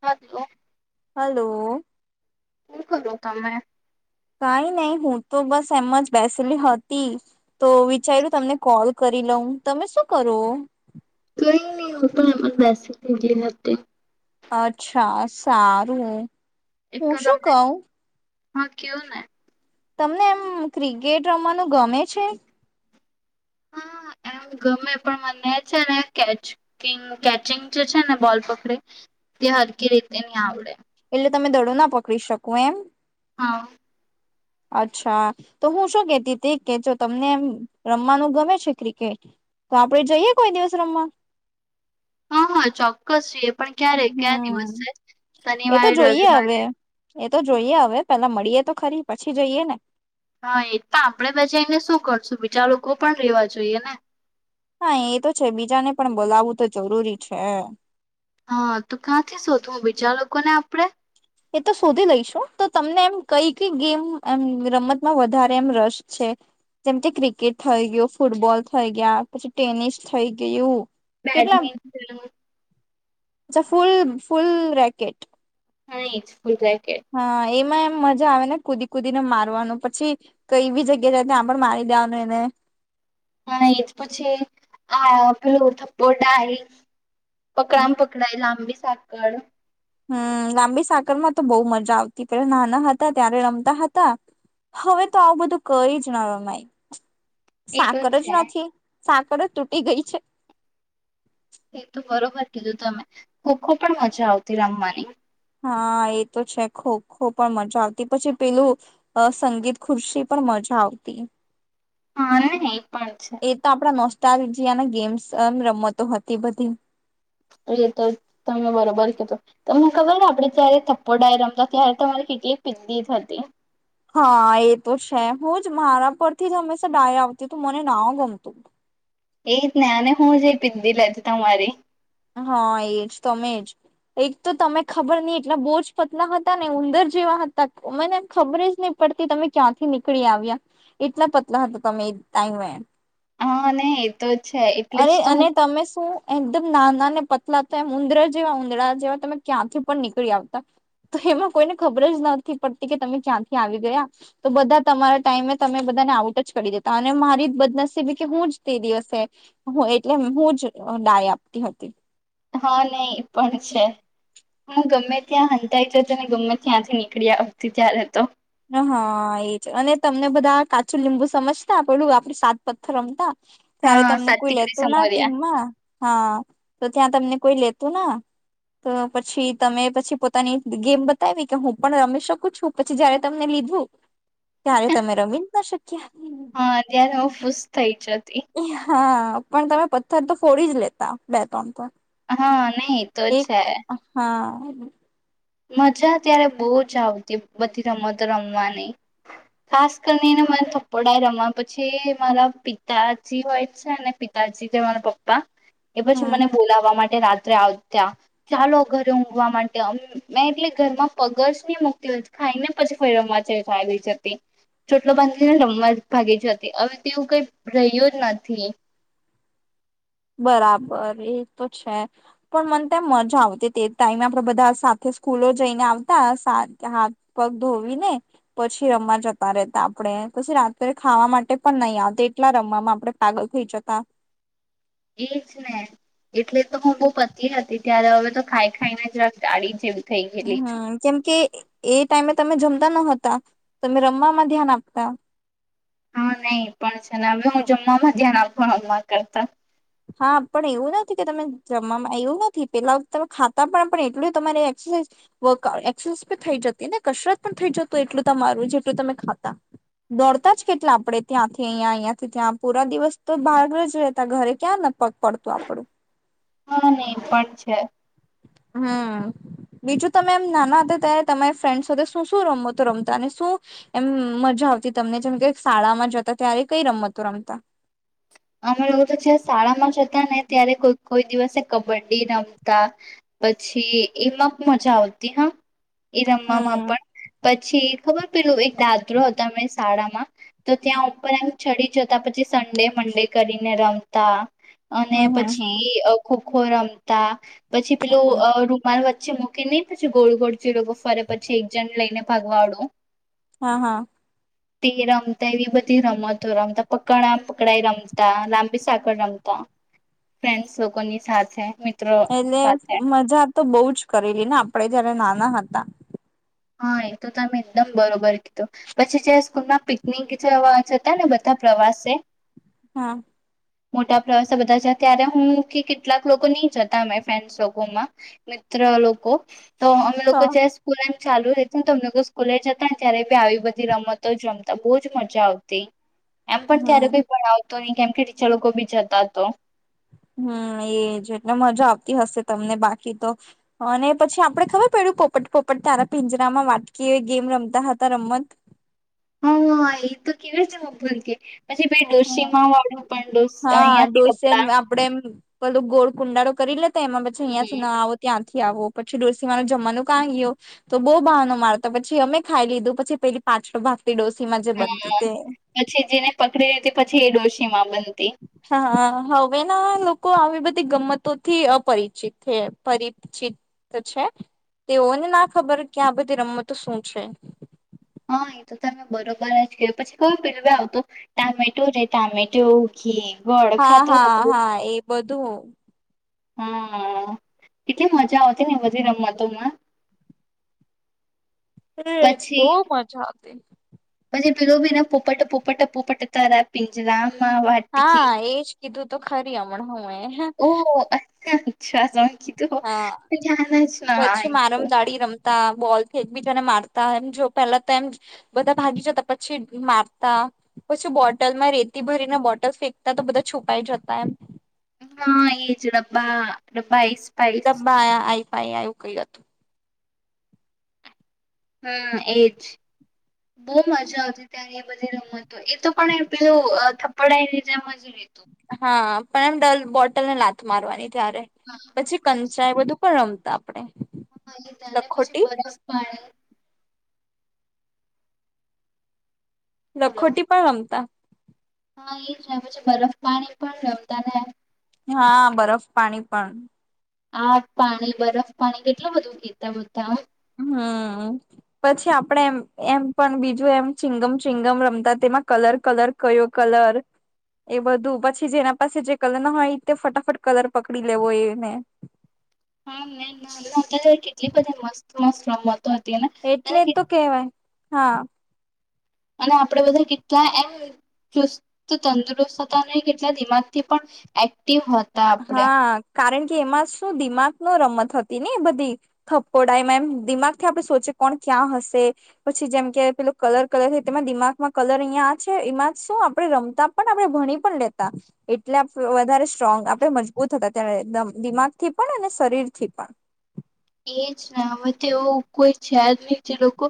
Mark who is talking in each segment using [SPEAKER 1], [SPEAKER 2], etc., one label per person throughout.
[SPEAKER 1] હાલો.
[SPEAKER 2] Hello.
[SPEAKER 1] હુ કરો તમે
[SPEAKER 2] કઈ નઈ હું તો બસ એમ જ બેસેલી હતી તો વિચાર્યું તમને કોલ કરી. લઉ તમે શું કરો.
[SPEAKER 1] નહીં નહીં હુ તો બેસેલી હતી
[SPEAKER 2] અચ્છા સારું
[SPEAKER 1] એક
[SPEAKER 2] હું
[SPEAKER 1] તો
[SPEAKER 2] શું
[SPEAKER 1] તમને
[SPEAKER 2] કઉ.
[SPEAKER 1] હા કેવ ને.
[SPEAKER 2] તમને એમ ક્રિકેટ રમવાનું ગમે છે.
[SPEAKER 1] હા
[SPEAKER 2] [inaudible]
[SPEAKER 1] ગમે પણ મને છે ને કે ચિંગ કેચિંગ જે છે ને બોલ પકડી. તે હરકી રીતે ની આવડે.
[SPEAKER 2] એટલે તમે દડો ના પકડી શકો એમ.
[SPEAKER 1] હા
[SPEAKER 2] [inaudible] અચ્છા તો હું શું કેતી તે કેજો તમને એમ રમવાનું ગમે છે ક્રિકેટ તો આપડે જઈએ કોઈ દિવસ રમવા
[SPEAKER 1] હા હા ચોક્કસ જીયે પણ ક્યારે ક્યાયા
[SPEAKER 2] હમ
[SPEAKER 1] દિવસ છે શન
[SPEAKER 2] એ તો જોઈએ હવે એ તો જોઈએ હવે પેલા મળીએ તો ખરી પછી જઈએ ને
[SPEAKER 1] હા એ પણ આપણેે બજાને શું કરશું બીજા લોકો પણ રેવા જોઈએ ને
[SPEAKER 2] હા એ તો છે બીજાને પણ બોલાવવું તો જરૂરી છે
[SPEAKER 1] હા તું ક્યાંથી શોધું બીજા લોકો ને આપડે
[SPEAKER 2] એ તો શોધી લઈશું તો તમને એમ કઈ કઈ ગેમ એમ રમતમાં વધારે એમ રસ છે જેમ કે ક્રિકેટ થઈ ગયું ફૂટબોલ થઈ ગયા પછી ટેનિસ થઈ ગયું કેટલા
[SPEAKER 1] બેડમિન્ટન
[SPEAKER 2] અચ્છા ફુલ ફુલ રેકેટ
[SPEAKER 1] હ એજ
[SPEAKER 2] હા એમાં મજા આવે ને કૂદી કૂદી ને મારવાનું પછી કઈ બી જગ્યા જાય ત્યાં પણ મારી દેવાનું એને [inaudible]
[SPEAKER 1] હા એ જ પછી આ પેલુ થપ્પોટાય પકડામાં પકડાઈ લાંબી સાકડ
[SPEAKER 2] હમ્મ લાંબી સાકરમાં તો બહુ મજા આવતી પેલા નાના હતા ત્યારે રમતા હતા હવે તો આવું બધું કરી જ ના રમાય
[SPEAKER 1] એ તો
[SPEAKER 2] સાકડ જ
[SPEAKER 1] છે
[SPEAKER 2] નથી સાકડ જ તૂટી ગઈ છે
[SPEAKER 1] એ તો બરોબર કીધું તમે ખો ખો પણ મજા આવતી રમવાની
[SPEAKER 2] હા એ તો છે ખો ખો પણ મજા આવતી પછી પેલું સંગીત ખુરશી પણ પણ મજા આવતી
[SPEAKER 1] હાને એ પણ છે
[SPEAKER 2] તાર જને ગેમ્સમ રમતો હતી બધી
[SPEAKER 1] એ તો તમે બરોબર કીધ તમને ખબર આપડે જયારે થપ્પો ડાય રમતા ત્યારે તમારે પીતી થ હતી
[SPEAKER 2] હા એ તો છે હું જ મારા પરથી જ હંમેશા ડાય આવતી તું મને ના ગમતું
[SPEAKER 1] એ જ ને અને હું જે પીંધી લેતી તમારી
[SPEAKER 2] હા એજ તમે જ એક તો તમે ખબર નહ એટલા બોજ પતલા હતા ને ઉંદર જેવા હતા મને ખબર જ નહ તી તમે ક્યાંથી નીકળી આવ્યા એટલા પતલા હતા તમે ટાઈ
[SPEAKER 1] હા ને એ તો છે એટલે
[SPEAKER 2] અરે
[SPEAKER 1] જ તો
[SPEAKER 2] અને
[SPEAKER 1] હું
[SPEAKER 2] તમે શું એકદમ નાના ને પતલા થ એમ ઉંદરા જેવા ઉંદડા જેવા તમે ક્યાંથી પણ નીકળી આવતા તો એમાં કોઈને ખબર જ નથી પડતી કે તમે ક્યાંથી આવી ગયા તો બધા તમારા ટાઈમે તમેા ને આઉટ જ કરી દેતા અને મારી બદનસીબી કે હું જ તે દિવસે એટલે હું જ ડાય આપ [unintelligible]
[SPEAKER 1] હા નહ પણ છે હું ગમે ત્યાં હતાઈ જ હતો ને ગમે ત્યાંથી નીકળીથી ત્યારે હતો
[SPEAKER 2] હ હા એ છે અને તમને બધા કાચું લીંબુ સમજતા પેલું આપડી સાત પથ્થર રમતા ત્યારે
[SPEAKER 1] હા
[SPEAKER 2] તમને કોઈ
[SPEAKER 1] સાત્વિકડી
[SPEAKER 2] લેતું ના
[SPEAKER 1] સમોરિયા
[SPEAKER 2] ટીમમાં હા તો ત્યાં તમને કોઈ લેતું ના તો પછી તમે પછી પોતાની ગેમ બતાવી કે હું પણ રમી શકું છું પછી જારે તમને લીધું ત્યારે તમે રમી જ ના શકી
[SPEAKER 1] હા અત્યારે હું ખુશ થઈ જતી
[SPEAKER 2] હા પણ તમે પથ્થર તો ફોડી જ લેતા બે ત્રણ તો
[SPEAKER 1] હા નહી તો
[SPEAKER 2] એક
[SPEAKER 1] છે
[SPEAKER 2] હા
[SPEAKER 1] મજા ત્યારે બહુ જ આવતી બધી રમતો રમવાની ખાસ કરીનેને મને થપડા રમ્યા પછી મારા પિતાજી હોય છે ને પિતાજી માર પપ્પા એ પછી
[SPEAKER 2] હમ
[SPEAKER 1] મને બોલાવવા માટે રાત્રે આવ ત્યા ચાલો ઘરે ઊંઘવા માટેમ મેં એટલે ઘરમાં પગસ મુકતી હોય ખાઈ ને પછી ફ રમવાચ થલી જતી ચોટલો બાંધીને રમવા જ ભાગી જતી હવે તેવું કઈ રહ્યું જ નથી
[SPEAKER 2] બરાબર એ તો છે પણ મને ત મજા આવતી તે ટાઈમે આપડે બધા સાથે સ્કૂલો જઈને આવતા હાથ પગ ધોવીને પછી રમવા જતા રતા આપડણે પછી રાત્રે ખાવા માટે પણ નહી આવતા એટલા રમવામાં આપડે પાગલ થઈ જતા
[SPEAKER 1] એજ ને એટલે તો હું બહ પતિ હતી ત્યારે હવે તો ખાઈ ખાઈને જ રખ ડાળી જેવી થઈ ગયેલી છું.
[SPEAKER 2] હમ કેમ કે એ ટાઈમે તમે જમ નતા તમે રમવામાં ધ્યાન આપતા
[SPEAKER 1] હા નહી એ પણ છે ને હવે હું જમ ધ્યાના ભવા કરતા
[SPEAKER 2] હા પણ એવું નથી કે તમે જ એવું નથી પેલા તમે ખાતા પણ પણ એટલું તમારે એરસા થઈ જતી ને કસરત પણ થઈ જત એટલું તમારું જેટલું તમે ખાતા દોડતા જ કેટલા આપડે ત્યાંથી અહીંયા અહંથી ત્યાં પૂરા દિવસ તો ભાગ જ રહેતા ઘરે ક્યાં પડતું આપણું
[SPEAKER 1] હા નહી પણ છે
[SPEAKER 2] હા બીજું તમે એમ નાના હતા ત્યારે તમારી ફ્રેન્ડ સાથે શું શું રમતો રમતા અને શું એમ મજા થી તમને જેમ કે શાળામાં જતા ત્યારે કઈ રમતો રમતા
[SPEAKER 1] અમે લોકો તો જ શાળામાં જતા ને ત્યારેઈ કોઈ દિવસે કબડ્ડી રમતા પછી એમાં મજા આવતી હા એ
[SPEAKER 2] હમ
[SPEAKER 1] રમવામાં પણ પછી ખબર પેલું એક દાદરો હતાં શાળામાં તો ત્યાં ઉપર એમ ચડી જતા પછી સન્ડે મંડે કરીને રમતા અને
[SPEAKER 2] હમ હમ હમ
[SPEAKER 1] પછી ખોખો રમતા પછી પેલું
[SPEAKER 2] હમ
[SPEAKER 1] રૂમાલ પછી મૂકી નને પછી ગોળ ગોળ ચીડ ફરે પછી એક જણ લઈને ભગવાડો
[SPEAKER 2] હા હા
[SPEAKER 1] તે રમતા એવી બધી રમતો રમતા પકડા પકડાાય રમતા લાંબી સાકળ રમતા ફન્સ લોકોની સાથે મિત્રો
[SPEAKER 2] એટલે
[SPEAKER 1] સાથે
[SPEAKER 2] મજા તો બહુ જ કરેલી ને આપડે જયારે નાના હતા
[SPEAKER 1] હા એ તો તમે એકદમ બરોબર કીધું પછી જે સ્કૂલમાં પિકનિક જવા છતા ને બધા પ્રવાસે
[SPEAKER 2] હા
[SPEAKER 1] મોટા પ્રવાસે બધા છે ત્યારે હું કે કેટલાક લોકો નહી જતા અમે ફ્રેન્ડસ લોકોમાં મ લોકો તો અમે લોકો જે સ્કૂલ ચાલુ રતું ને તમને સ્કૂલે જતા ને ત્યારે બી આવી બધી રમતો જમતા બહજ મજા આવતી એમ પણ ત્યારે
[SPEAKER 2] હમ
[SPEAKER 1] કોઈ પણ આવતો નહી કેમ કે ટીચા લોકો બી જતા તો
[SPEAKER 2] હ હમ એજટલે મજા આવતી હશે તમને બાકી તો અને પછી આપડે ખબર પડ્યું પપ્પ ફપટપપટ તારા પીંજરામાં વાટકી એ ગેમ રમતા હતા રમત
[SPEAKER 1] હ હ એ તો કેવા છે ભૂલ કે પછી ભાઈ ડોશીમાં વાળો
[SPEAKER 2] હા ડોસે એમ આપડે એમ પેલું ગોળ કુંડાડો કરી લેતા એમાં પછી અહીંથી
[SPEAKER 1] હમ
[SPEAKER 2] ન આવો ત્યાં આવો પછી ડોલસી માર જમવાનું ક ગયો તો બહુ બહાનો માર તો પછી અમે ખાઈ લીધું પછી પેલી પાછલોો ભાગ
[SPEAKER 1] હ પછી જેને પકડી તે પછી એ ડોશી માં બ
[SPEAKER 2] હા હ વેના લોકો આવી બધી ગમતો થી અપરિચિત છે પરિચિત છે તેઓને ના ખબર કે આ બધી રમતો શું છે
[SPEAKER 1] હા એ તો તમે બરોબર જ કે પછી કયું પેું ભાઈ આવ તો ટામેટો છે ટામેટો કેી
[SPEAKER 2] હા, હા, હા એ બધું
[SPEAKER 1] હા કેટલી મજા આવતી ને બધી રમતોમાં
[SPEAKER 2] હુ ઇટ્સ બહુ
[SPEAKER 1] પછી
[SPEAKER 2] મજા આવતી.
[SPEAKER 1] પરોબના પોપટ, પોપટ, પોપટ તારા પિંજરામાં વાટકી.
[SPEAKER 2] હા એજ કીધું તો ખરી હમણાં હું એ
[SPEAKER 1] ઓહ અચ્છા સંકી તો
[SPEAKER 2] હા
[SPEAKER 1] જા જ ના
[SPEAKER 2] પછી મારમ દાડી બોલ થી એકબીજાને મારતા એમ જો પેલા તો એમ બધા ભાગી જતા પછી મારતા. પછી બોટલમાં રેતી ભરીને બોટલ ફેંકતા તો બધા છુપાઈ જતા એમ
[SPEAKER 1] હા એજ ડબ્બા - ડબ્બા એ
[SPEAKER 2] ડબ્બા આયા આઈ ફાઈ એવું કયું હતું.
[SPEAKER 1] હા એજ. બહુ મજા આવતી ત્યારે એ બધી રમતો એ તો પણ પેલું થપડાને ઇજ્જત
[SPEAKER 2] હા પણ એમ ડલ બોટલને લાથ મારવાની ત્યારે
[SPEAKER 1] હા
[SPEAKER 2] પછી કંચા એ બધું પણ રમતા આપણે
[SPEAKER 1] હ એ તને પછી
[SPEAKER 2] લખોટી
[SPEAKER 1] બરફ પાણી હલો
[SPEAKER 2] લખોટી પણ રમતા
[SPEAKER 1] હા એ જ પછ બરફ પાણી પણ રમતા નેમ
[SPEAKER 2] હા બરફ પાણી પણ
[SPEAKER 1] આઠ પાણી બરફ પાણી કેટલું બધું કીતા બધા
[SPEAKER 2] હમ પછી આપડે એમ એમ પણ બીજું એમ ચિંગમ ચિંગમ રમતા માં કલર કલર કયો કલર એ બધું પછી જે એના પાસે જે કલર ન હોય તે ફટાફટ કલર પકડી લેવો એને
[SPEAKER 1] હા મે ના કેટલી બધી મસ્ત મસ્ત રમત
[SPEAKER 2] એટલે તો કેહેવાય હા.
[SPEAKER 1] અને આપણેે બધા કેટલા એમ ચુસ્ત તંદુરસ્ત હતા અને કેટલા દિમાગથી પણ એક
[SPEAKER 2] હા કારણ એમાં શું દિમાગ ન રમત હતી, ને બધી થપકોડા એમાંમ દિમાગ થી આપણે સોચે કોણ ક્યાં હશે પછી જેમ કે પેલું કલર કલર થ તેના દિમાગમાં કલર અહિયાં આ છે, એમાં શું આપડે રમતા પણ આપણે ભણી પણ લેતા એટલે વધારે સ્ટ્રોંગ આપ મજબૂત હતા ત્યારે દિમાગથી પણ અને શરીર થી પણ
[SPEAKER 1] એ જ નામતે એવું કોઈ છે જ નહી જે લોકો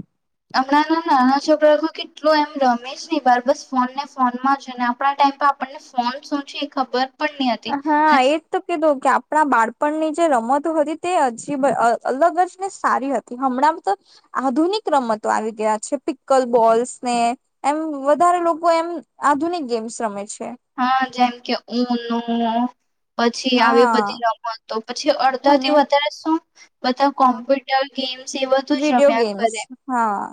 [SPEAKER 2] [unintelligible] [inaudible]
[SPEAKER 1] હમણાં ના નાના છોકરાઓ કેટલું એમ રમેશ નહી બાર બસ ફોન ને ફોનમાં છે ને આપણા ટાઈમ આપણને ફોન શું છે ખબર પણ નહી હતી
[SPEAKER 2] હા
[SPEAKER 1] અને
[SPEAKER 2] એજ તો કીધું કે આપણા બાળપણની જે રમતો હતી તે હજીબ અલગ જ ને સારી હતી, હમણાં તો આધુનિક રમત આવી ગયા છે, પિકકલ બોલ્સ ને એમ વધારે લોકો એમ આધુનિક ગેમ્સ રમે છે.
[SPEAKER 1] હા જેમ કે ઉન પછી આવી
[SPEAKER 2] હા
[SPEAKER 1] બધી રમતોતો પછી
[SPEAKER 2] અને
[SPEAKER 1] અડધાથી વધારે શું બધા
[SPEAKER 2] હમ
[SPEAKER 1] કોમ્પ્યુટર એ સેવા તો જ
[SPEAKER 2] વિડીયો
[SPEAKER 1] રમ્યા
[SPEAKER 2] ગેમ્સ
[SPEAKER 1] કરે
[SPEAKER 2] હા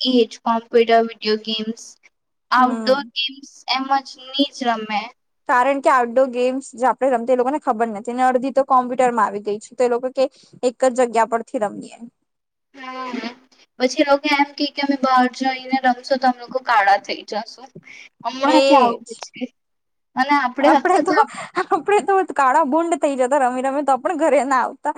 [SPEAKER 1] હ એ જ કોમ્પ્યુટર વિડીયો ગેમ્સ
[SPEAKER 2] હમ
[SPEAKER 1] આઉટડોર ગેમ્સ એમજ ની જ રમે
[SPEAKER 2] કારણ કે આઉટડોર ગેમ્સ જે આપણે રમતા લોકોને ખબર નથી ને અડધી તો કોમ્પ્યુટર માં આવી ગઈ છે, તો એ લોકો કે એક જ જગ્યા પરથી રમીએ.
[SPEAKER 1] હમ પછી એ લોકો એમ કે કે અમે બહાર જઈને રમશો તો અમે લોકો કાળા થઈ જશુ. હમણાં ત્યાં
[SPEAKER 2] એજ
[SPEAKER 1] આવું. અને
[SPEAKER 2] આપડે
[SPEAKER 1] હતા
[SPEAKER 2] તો
[SPEAKER 1] આપ-
[SPEAKER 2] આપડે તો કાળા ભુંડ થઇ જતા રમી રમે. તો પણ ઘરે ના આવતા.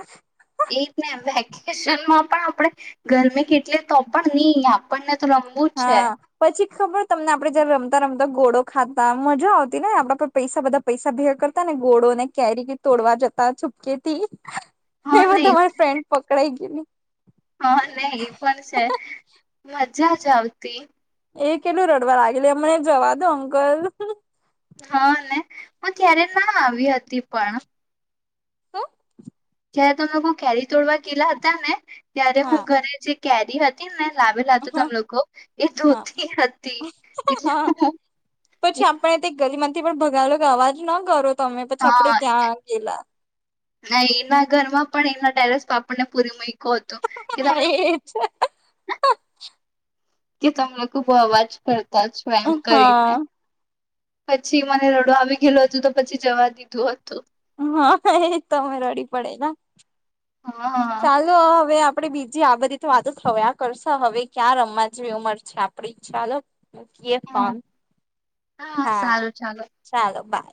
[SPEAKER 1] એ જ ને વેકેશનમાં પણ આપણે ગરમી કેટલી તો પણ નહી આપણને તો રમવું જ છે
[SPEAKER 2] હા પછી ખબર તમને આપડે જયારે રમતા રમતા ધ ગોળો ખાતા મજા આવતી ને આપણે પૈસા બધા પૈસા ભે કરતા ને ગોળો ને કેરી તોડવા. જતા છુપકેથી
[SPEAKER 1] હા
[SPEAKER 2] એમાં
[SPEAKER 1] નહી
[SPEAKER 2] તમાર ફ્રેન્ડ પકડાઈ ગયલી.
[SPEAKER 1] હા ને એ પણ છે મજા જ આવતી.
[SPEAKER 2] એ કેટલું રડવા લાગેલી અમને જવા દો અંકલ.
[SPEAKER 1] હા ને હું ત્યારે ના આવી હતી પણ.
[SPEAKER 2] હ [unintelligible]
[SPEAKER 1] જયારે તમે કો કેરી તોડવા કેલા હતા ને ત્યારે હું
[SPEAKER 2] હા
[SPEAKER 1] ઘરે જે કેરી હતી ને. લાવેલા હતા તમ લોકો એ
[SPEAKER 2] હા
[SPEAKER 1] ધોતી હતી એટલે
[SPEAKER 2] હા
[SPEAKER 1] હું.
[SPEAKER 2] પછી આપણે તે ગરી માંથી પણ ભગાયેલો કે અવાજ ના કરો તમે પછી
[SPEAKER 1] હા
[SPEAKER 2] આપણેે ત્યાં ગેલા.
[SPEAKER 1] ના એના ઘર માં પણ એના ડેરેસ પાપડને પૂરી મળ. કહ તોું કે તમર.
[SPEAKER 2] એજ
[SPEAKER 1] કે તમે ખુબ અવાજ કરતા છો એમ કરીને.
[SPEAKER 2] હા
[SPEAKER 1] પછી મને રડો આવી ગયેલો હતોું તો પછી જવા દીધું હતું.
[SPEAKER 2] હા એજ તોમે રડી પડે
[SPEAKER 1] હા
[SPEAKER 2] ચાલો હવે આપ. આપડે બીજી આગધી તો વાતો થયા કરશો હવે ક્યાં રમવા જેવી ઉંમર છે આપડી ચાલો. મૂકીએ ફોન
[SPEAKER 1] હા
[SPEAKER 2] હા
[SPEAKER 1] સારું ચાલો
[SPEAKER 2] ચાલો બાય.